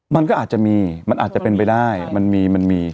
มันก็อาจจะมีมันอาจจะเป็นไปได้มันมีมันมี